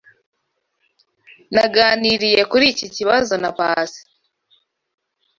Naganiriye kuri iki kibazo na Pacy.